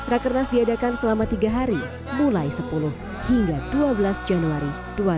rakernas diadakan selama tiga hari mulai sepuluh hingga dua belas januari dua ribu dua puluh